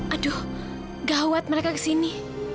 aduh gawat mereka kesini